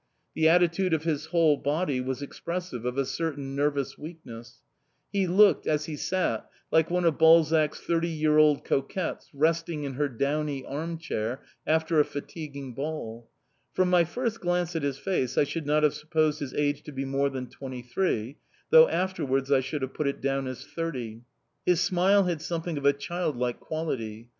The attitude of his whole body was expressive of a certain nervous weakness; he looked, as he sat, like one of Balzac's thirty year old coquettes resting in her downy arm chair after a fatiguing ball. From my first glance at his face I should not have supposed his age to be more than twenty three, though afterwards I should have put it down as thirty. His smile had something of a child like quality.